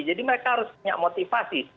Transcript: jadi mereka harus punya motivasi